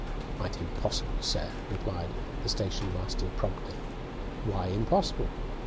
"Quite impossible, sir," replied the station master promptly. "Why impossible?"